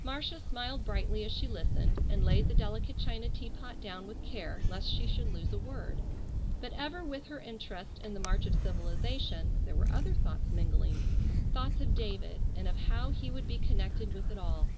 Marcia smiled brightly as she listened, and laid the delicate china teapot down with care lest she should lose a word. But ever with her interest in the march of civilization, there were other thoughts mingling. Thoughts of David and of how he would be connected with it all.